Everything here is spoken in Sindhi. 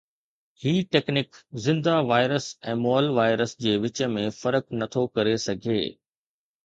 هي ٽيڪنڪ زنده وائرس ۽ مئل وائرس جي وچ ۾ فرق نٿو ڪري سگهي